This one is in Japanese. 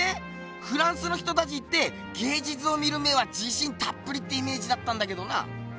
フランスの人たちって芸術を見る目はじしんたっぷりってイメージだったんだけどな！